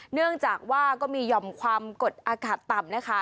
เนื่องจากว่าก็มีหย่อมความกดอากาศต่ำนะคะ